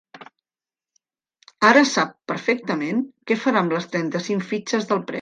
Ara sap perfectament què farà amb les trenta-cinc fitxes del premi.